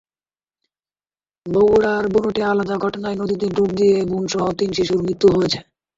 বগুড়ার ধুনটে আলাদা ঘটনায় নদীতে ডুবে দুই বোনসহ তিন শিশুর মৃত্যু হয়েছে।